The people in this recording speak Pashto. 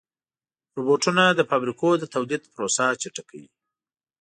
روبوټونه د فابریکو د تولید پروسه چټکه کوي.